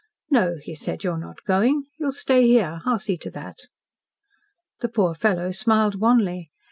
"No," he said, "you are not going. You'll stay here. I will see to that." The poor fellow smiled wanly.